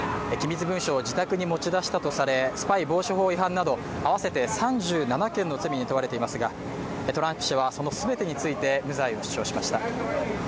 機密文書を自宅に持ち出したとされ、スパイ防止法など合わせて３７件の罪に問われていますが、トランプ氏はその全てについて無罪を主張しました。